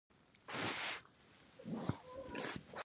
چې د هغې مشري اینیګار فقیر کوله.